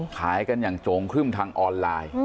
ขายกันอย่างโจงครึ่มทางออนไลน์